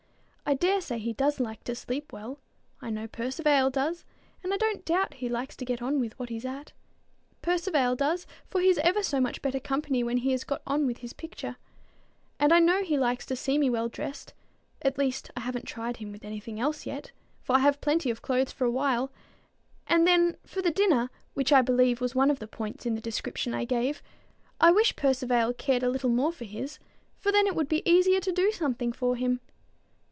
I dare say he does like to sleep well, I know Percivale does; and I don't doubt he likes to get on with what he's at: Percivale does, for he's ever so much better company when he has got on with his picture; and I know he likes to see me well dressed, at least I haven't tried him with any thing else yet, for I have plenty of clothes for a while; and then for the dinner, which I believe was one of the points in the description I gave, I wish Percivale cared a little more for his, for then it would be easier to do something for him.